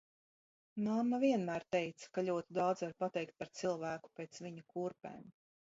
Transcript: Mamma vienmēr teica, ka ļoti daudz var pateikt par cilvēku pēc viņa kurpēm.